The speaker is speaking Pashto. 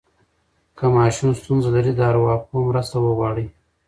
که ماشوم ستونزه لري، د ارواپوه مرسته وغواړئ.